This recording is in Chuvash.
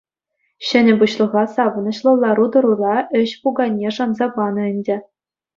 Ҫӗнӗ пуҫлӑха савӑнӑҫлӑ лару-тӑрура ӗҫ пуканне шанса панӑ ӗнтӗ.